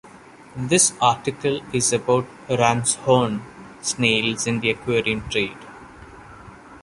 This article is about ramshorn snails in the aquarium trade.